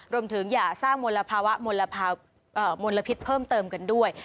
รวมถึงอย่าสร้างมลภาพิษเพิ่มเติมกันด้วย